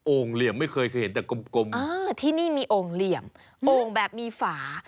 เหลี่ยมไม่เคยเคยเห็นแต่กลมที่นี่มีโอ่งเหลี่ยมโอ่งแบบมีฝา